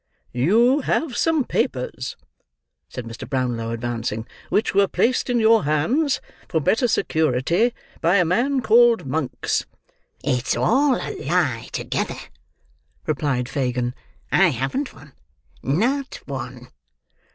"You have some papers," said Mr. Brownlow advancing, "which were placed in your hands, for better security, by a man called Monks." "It's all a lie together," replied Fagin. "I haven't one—not one."